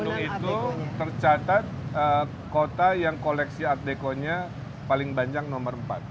bandung itu tercatat kota yang koleksi art dekonya paling banyak nomor empat